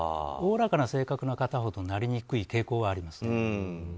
おおらかな性格の方ほどなりにくい傾向はあります。